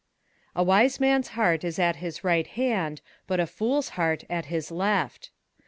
21:010:002 A wise man's heart is at his right hand; but a fool's heart at his left.